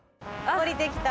下りてきた。